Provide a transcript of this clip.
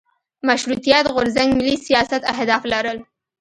مشروطیت غورځنګ ملي سیاست اهداف لرل.